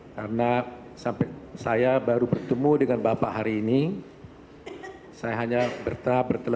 kemudian pak saiful